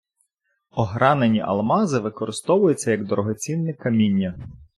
Огранені алмази використовується як дорогоцінне каміння